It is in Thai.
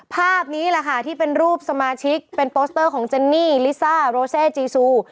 ภาพนี้แหละค่ะที่เป็นรูปสมาชิกเป็นโปสเตอร์ของเจนนี่ลิซ่าโรเซจีซู